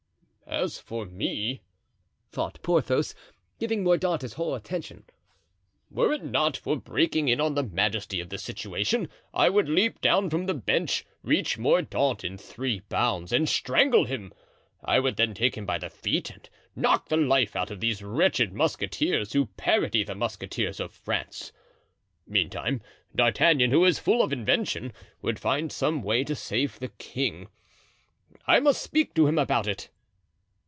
'" "As for me," thought Porthos, giving Mordaunt his whole attention, "were it not for breaking in on the majesty of the situation I would leap down from the bench, reach Mordaunt in three bounds and strangle him; I would then take him by the feet and knock the life out of these wretched musketeers who parody the musketeers of France. Meantime, D'Artagnan, who is full of invention, would find some way to save the king. I must speak to him about it."